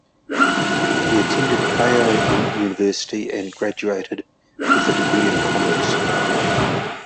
He attended Keio University and graduated with a degree in Commerce.